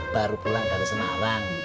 baru pulang dari semarang